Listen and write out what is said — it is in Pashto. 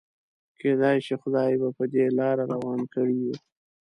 کيدای شي خدای به په دې لاره روان کړي يو.